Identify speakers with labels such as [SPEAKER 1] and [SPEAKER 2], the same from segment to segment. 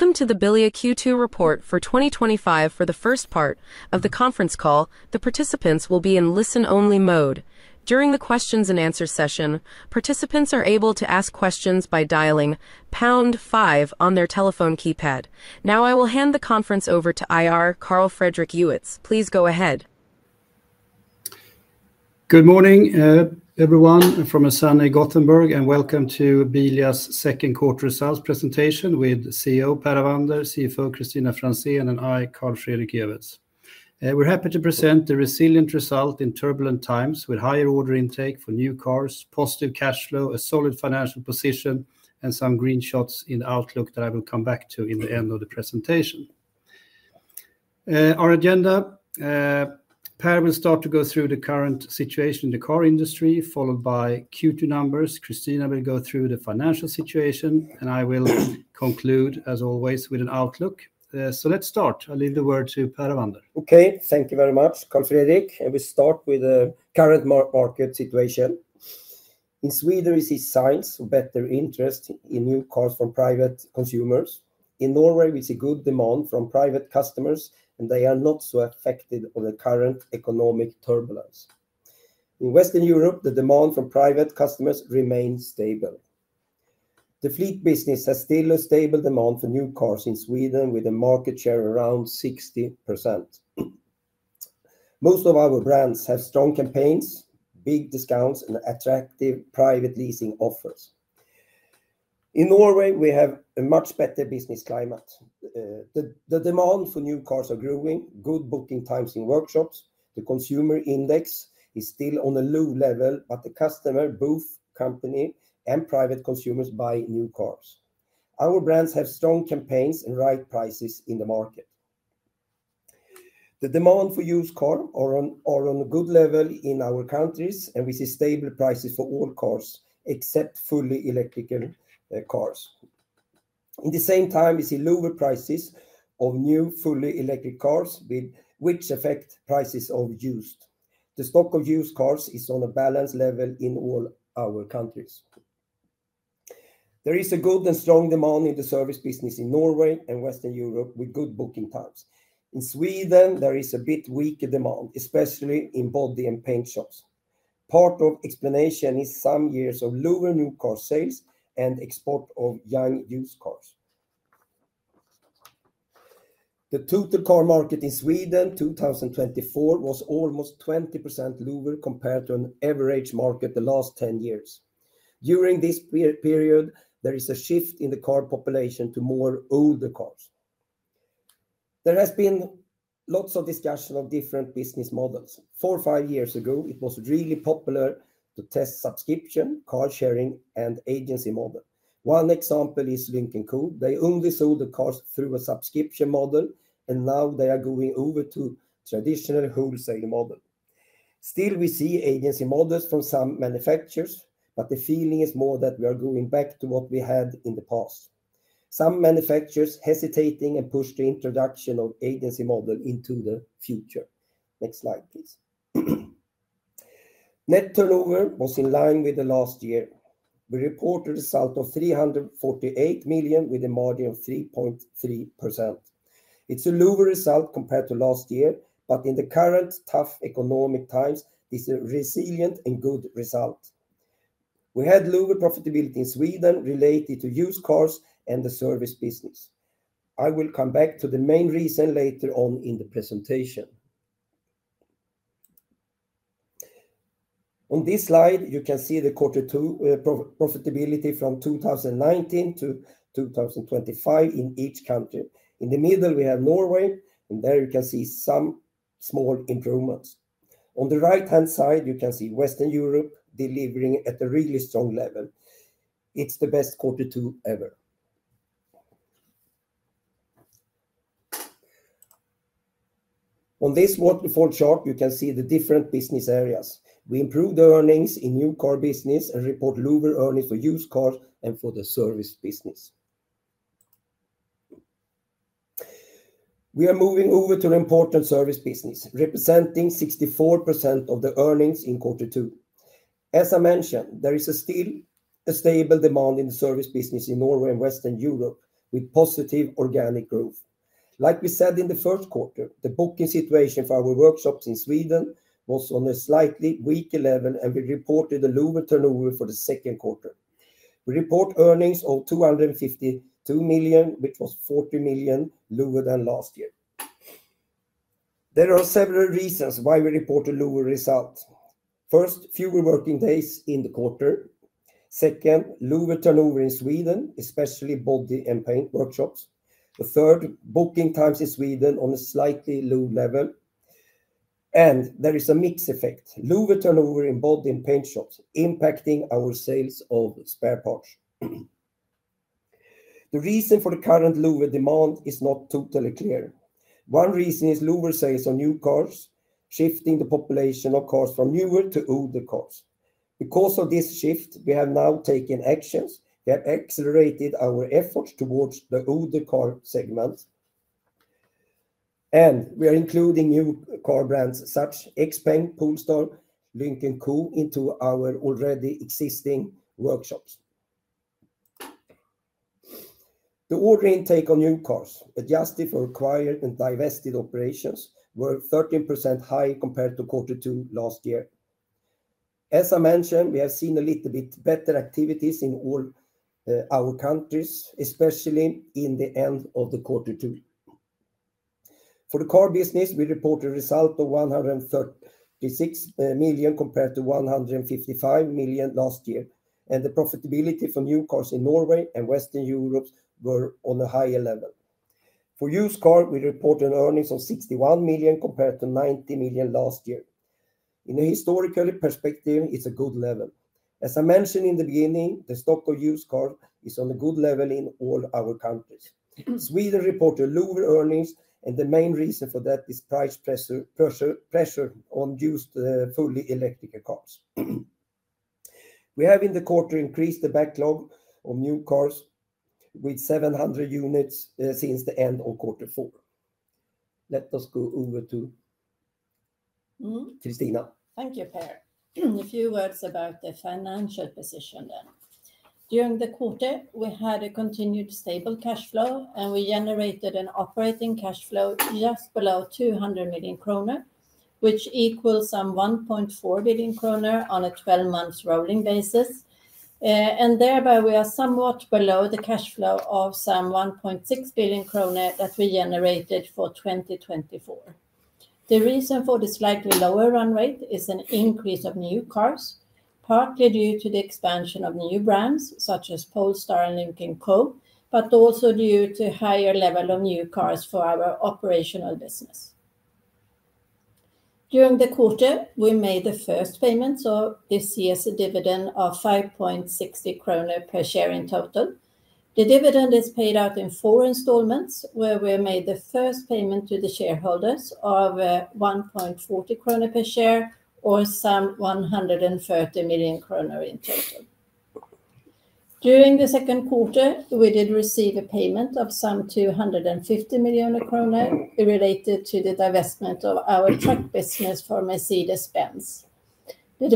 [SPEAKER 1] Welcome to the Bilia Q2 report for 2025. For the first part of the conference call, the participants will be in listen-only mode. During the questions-and-answers session, participants are able to ask questions by dialingpound key five on their telephone keypad. Now, I will hand the conference over to IR, Carl Fredrik Ewetz. Please go ahead.
[SPEAKER 2] Good morning, everyone, from ASANA in Gothenburg, and welcome to Bilia's second quarter results presentation with CEO Per Avander, CFO Kristina Franzén, and I, Carl Fredrik Ewetz. We're happy to present the resilient result in turbulent times with higher order intake for new cars, positive cash flow, a solid financial position, and some green shots in Outlook that I will come back to in the end of the presentation. Our agenda: Per will start to go through the current situation in the car industry, followed by Q2 numbers. Kristina will go through the financial situation, and I will conclude, as always, with an Outlook. Let's start. I'll leave the word to Per Avander.
[SPEAKER 3] Okay, thank you very much, Carl Fredrik. We start with the current market situation. In Sweden, we see signs of better interest in new cars from private consumers. In Norway, we see good demand from private customers, and they are not so affected by the current economic turbulence. In Western Europe, the demand from private customers remains stable. The fleet business has still a stable demand for new cars in Sweden, with a market share of around 60%. Most of our brands have strong campaigns, big discounts, and attractive private leasing offers. In Norway, we have a much better business climate. The demand for new cars is growing, good booking times in workshops. The consumer index is still on a low level, but the customer, both companies and private consumers, buy new cars. Our brands have strong campaigns and right prices in the market. The demand for used cars is on a good level in our countries, and we see stable prices for all cars, except fully electric cars. At the same time, we see lower prices of new fully electric cars, which affect prices of used. The stock of used cars is on a balanced level in all our countries. There is a good and strong demand in the service business in Norway and Western Europe, with good booking times. In Sweden, there is a bit weaker demand, especially in body and paint shops. Part of the explanation is some years of lower new car sales and export of young used cars. The total car market in Sweden in 2024 was almost 20% lower compared to an average market in the last 10 years. During this period, there is a shift in the car population to more older cars. There has been lots of discussion of different business models. Four or five years ago, it was really popular to test subscription, car sharing, and agency models. One example is Lynk & Co. They only sold the cars through a subscription model, and now they are going over to a traditional wholesale model. Still, we see agency models from some manufacturers, but the feeling is more that we are going back to what we had in the past. Some manufacturers are hesitating and push the introduction of the agency model into the future. Next slide, please. Net turnover was in line with the last year. We reported a result of 348 million with a margin of 3.3%. It's a lower result compared to last year, but in the current tough economic times, it's a resilient and good result. We had lower profitability in Sweden related to used cars and the service business. I will come back to the main reason later on in the presentation. On this slide, you can see the quarter two profitability from 2019 to 2025 in each country. In the middle, we have Norway, and there you can see some small improvements. On the right-hand side, you can see Western Europe delivering at a really strong level. It's the best quarter two ever. On this waterfall chart, you can see the different business areas. We improved earnings in the new car business and report lower earnings for used cars and for the service business. We are moving over to the imported service business, representing 64% of the earnings in quarter two. As I mentioned, there is still a stable demand in the service business in Norway and Western Europe, with positive organic growth. Like we said in the first quarter, the booking situation for our workshops in Sweden was on a slightly weaker level, and we reported a lower turnover for the second quarter. We report earnings of 252 million, which was 40 million lower than last year. There are several reasons why we reported lower results. First, fewer working days in the quarter. Second, lower turnover in Sweden, especially body and paint workshops. Third, booking times in Sweden on a slightly lower level. There is a mixed effect: lower turnover in body and paint shops, impacting our sales of spare parts. The reason for the current lower demand is not totally clear. One reason is lower sales of new cars, shifting the population of cars from newer to older cars. Because of this shift, we have now taken actions. We have accelerated our efforts towards the older car segments. We are including new car brands such as XPENG, Polestar, and Lynk & Co into our already existing workshops. The order intake of new cars, adjusted for acquired and divested operations, was 13% higher compared to quarter two last year. As I mentioned, we have seen a little bit better activities in all our countries, especially in the end of the quarter two. For the car business, we reported a result of 136 million compared to 155 million last year, and the profitability for new cars in Norway and Western Europe was on a higher level. For used cars, we reported earnings of 61 million compared to 90 million last year. In a historical perspective, it's a good level. As I mentioned in the beginning, the stock of used cars is on a good level in all our countries. Sweden reported lower earnings, and the main reason for that is price pressure on used fully electric cars. We have in the quarter increased the backlog of new cars with 700 units since the end of quarter four. Let us go over to Kristina.
[SPEAKER 4] Thank you, Per. A few words about the financial position then. During the quarter, we had a continued stable cash flow, and we generated an operating cash flow just below 200 million kronor, which equals some 1.4 billion kronor on a 12-month rolling basis. We are somewhat below the cash flow of some 1.6 billion krona that we generated for 2024. The reason for the slightly lower run rate is an increase of new cars, partly due to the expansion of new brands such as Polestar and Lynk & Co, but also due to a higher level of new cars for our operational business. During the quarter, we made the first payments of this year's dividend of 5.60 kronor per share in total. The dividend is paid out in four installments, where we made the first payment to the shareholders of 1.40 krona per share or some 130 million krona in total. During the second quarter, we did receive a payment of some 250 million krona related to the divestment of our truck business for Mercedes-Benz. The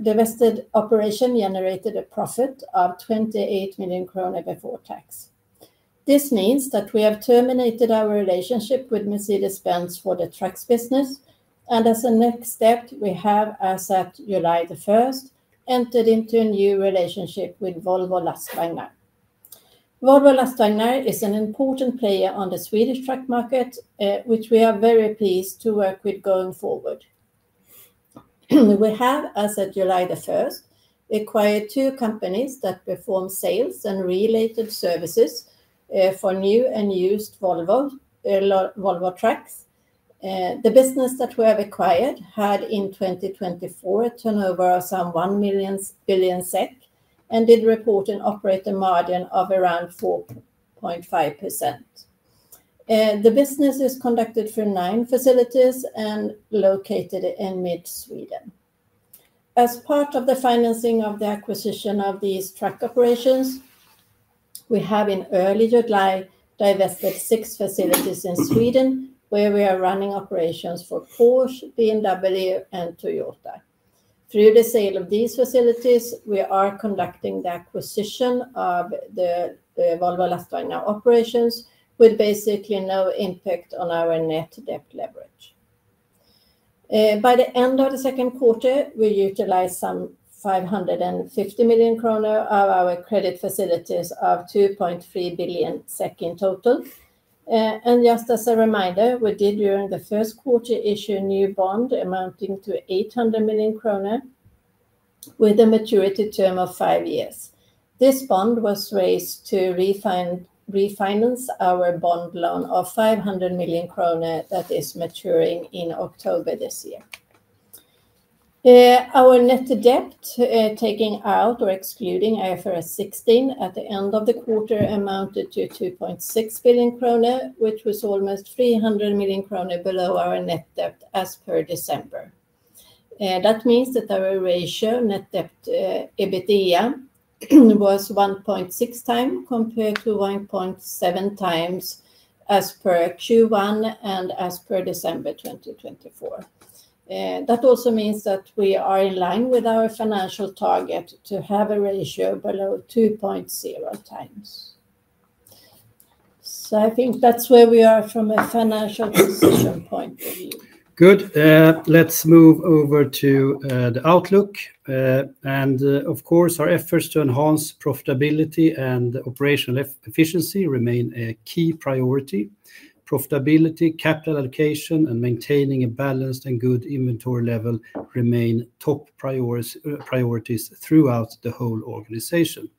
[SPEAKER 4] divested operation generated a profit of 28 million kronor before tax. This means that we have terminated our relationship with Mercedes-Benz for the trucks business, and as a next step, we have as at July 1, entered into a new relationship with Volvo Lastvagnar. Volvo Lastvagnar is an important player on the Swedish truck market, which we are very pleased to work with going forward. We have, as at July 1, acquired two companies that perform sales and related services for new and used Volvo Trucks. The business that we have acquired had in 2024 a turnover of some 1 billion SEK and did report an operating margin of around 4.5%. The business is conducted through nine facilities and located in mid-Sweden. As part of the financing of the acquisition of these truck operations, we have in early July divested six facilities in Sweden, where we are running operations for Porsche, BMW, and Toyota. Through the sale of these facilities, we are conducting the acquisition of the Volvo Lastvagnar operations with basically no impact on our net debt leverage. By the end of the second quarter, we utilized some 550 million kronor of our credit facilities of 2.3 billion SEK in total. Just as a reminder, we did during the first quarter issue a new bond amounting to 800 million kronor with a maturity term of five years. This bond was raised to refinance our bond loan of 500 million krona that is maturing in October this year. Our net debt, taking out or excluding IFRS 16, at the end of the quarter amounted to 2.6 billion krona, which was almost 300 million krona below our net debt as per December. That means that our ratio net debt/EBITDA was 1.6 times compared to 1.7 times as per Q1 and as per December 2024. That also means that we are in line with our financial target to have a ratio below 2.0 times. I think that's where we are from a financial position point of view.
[SPEAKER 2] Good. Let's move over to the Outlook. Of course, our efforts to enhance profitability and operational efficiency remain a key priority. Profitability, capital allocation, and maintaining a balanced and good inventory level remain top priorities throughout the whole organization.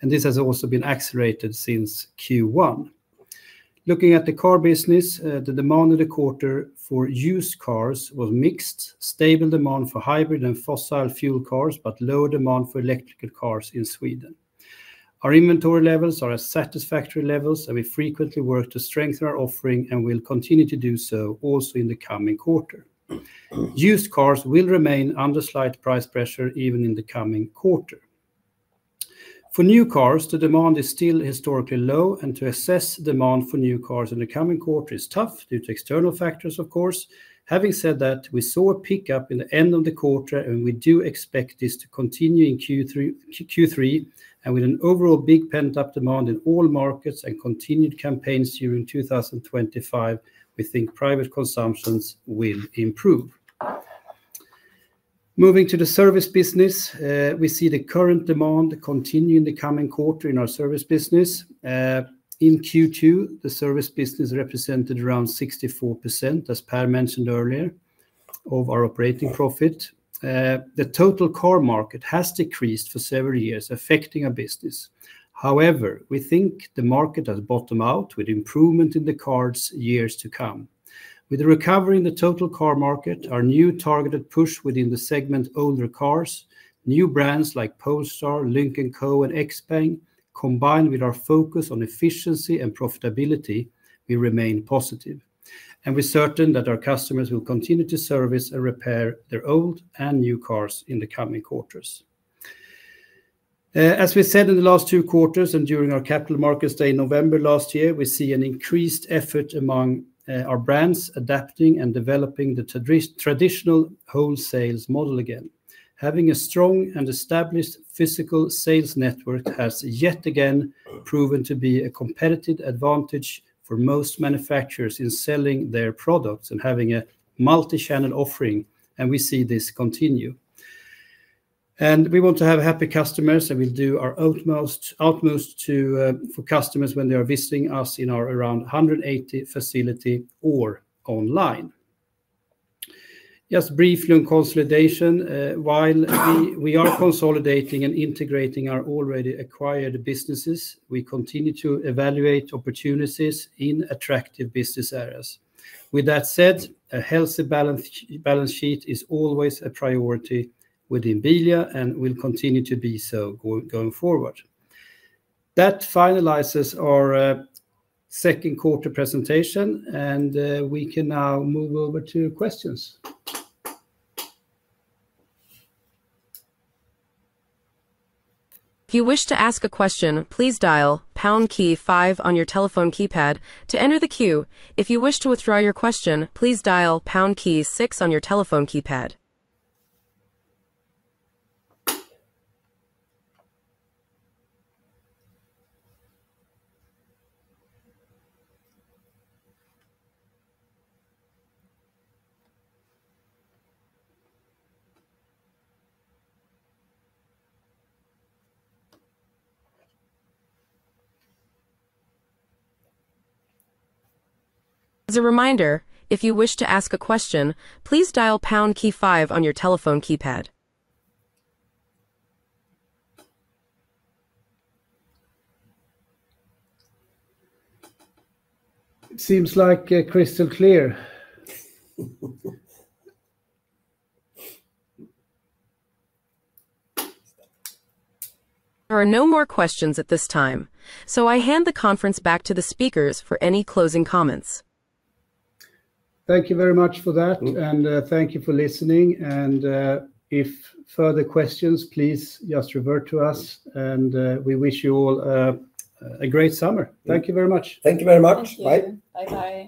[SPEAKER 2] This has also been accelerated since Q1. Looking at the car business, the demand in the quarter for used cars was mixed: stable demand for hybrid and fossil fuel cars, but lower demand for electric cars in Sweden. Our inventory levels are at satisfactory levels, and we frequently work to strengthen our offering and will continue to do so also in the coming quarter. Used cars will remain under slight price pressure even in the coming quarter. For new cars, the demand is still historically low, and to assess the demand for new cars in the coming quarter is tough due to external factors, of course. Having said that, we saw a pickup in the end of the quarter, and we do expect this to continue in Q3, with an overall big pent-up demand in all markets and continued campaigns during 2025, we think private consumption will improve. Moving to the service business, we see the current demand continuing in the coming quarter in our service business. In Q2, the service business represented around 64% as Per mentioned earlier, of our operating profit. The total car market has decreased for several years, affecting our business. However, we think the market does bottom out with improvement in the cars years to come. With the recovery in the total car market, our new targeted push within the segment's older cars, new brands like Polestar, Lynk & Co, and XPENG, combined with our focus on efficiency and profitability, will remain positive. We're certain that our customers will continue to service and repair their old and new cars in the coming quarters. As we said in the last two quarters and during our Capital Markets Day in November last year, we see an increased effort among our brands adapting and developing the traditional wholesale model again. Having a strong and established physical sales network has yet again proven to be a competitive advantage for most manufacturers in selling their products and having a multi-channel offering, and we see this continue. We want to have happy customers, and we'll do our utmost for customers when they are visiting us in our around 180 facilities or online. Just briefly on consolidation, while we are consolidating and integrating our already acquired businesses, we continue to evaluate opportunities in attractive business areas. With that said, a healthy balance sheet is always a priority within Bilia, and will continue to be so going forward. That finalizes our second quarter presentation, and we can now move over to questions.
[SPEAKER 1] If you wish to ask a question, please dial pound key five on your telephone keypad to enter the queue. If you wish to withdraw your question, please dial pound key six on your telephone keypad. As a reminder, if you wish to ask a question, please dial pound key five on your telephone keypad.
[SPEAKER 2] It seems crystal clear.
[SPEAKER 1] There are no more questions at this time, so I hand the conference back to the speakers for any closing comments.
[SPEAKER 2] Thank you very much for that, and thank you for listening. If further questions, please just revert to us, and we wish you all a great summer. Thank you very much.
[SPEAKER 3] Thank you very much.
[SPEAKER 4] Bye-bye.